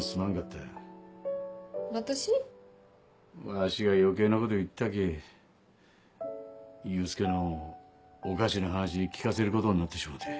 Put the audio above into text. わしが余計なこと言ったけぇ祐介のおかしな話聞かせることになってしもうて。